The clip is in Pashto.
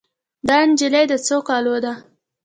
دا نجلۍ د څو کالو ده